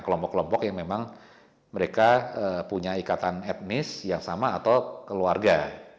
kelompok kelompok yang memang mereka punya ikatan etnis yang sama atau keluarga